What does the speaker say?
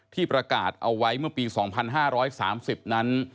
ที่ประกาศเอาไว้เมื่อปี๒๕๓๐นั้น